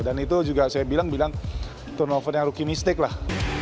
dan itu juga saya bilang turnover yang rookie mistake lah